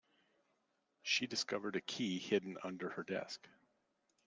She discovered a key hidden under her desk.